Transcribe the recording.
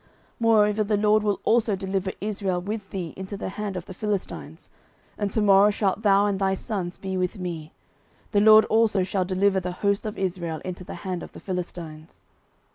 09:028:019 Moreover the LORD will also deliver Israel with thee into the hand of the Philistines: and to morrow shalt thou and thy sons be with me: the LORD also shall deliver the host of Israel into the hand of the Philistines.